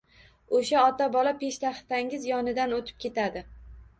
Oʻsha ota-bola peshtaxtangiz yonidan oʻtib ketadi.